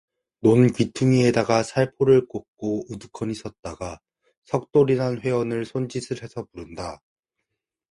논 귀퉁이에다가 살포를 꽂고 우두커니 섰다가 석돌이란 회원을 손짓을 해서 부른다.